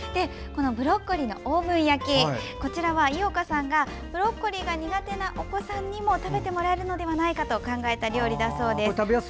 ブロッコリーのオーブン焼きは井岡さんがブロッコリーが苦手なお子さんにも食べてもらえるのではないかと考えた料理だそうです。